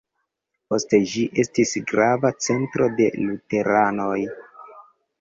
Poste ĝi estis grava centro de luteranoj.